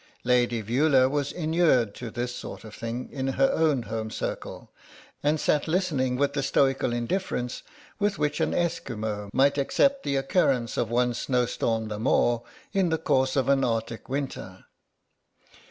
Lady Veula was inured to this sort of thing in her own home circle, and sat listening with the stoical indifference with which an Esquimau might accept the occurrence of one snowstorm the more, in the course of an Arctic winter.